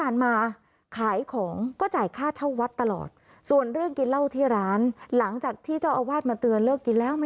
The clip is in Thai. นั้นจะได้เวลขึ้นไป